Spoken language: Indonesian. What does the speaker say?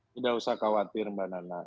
tidak usah khawatir mbak nana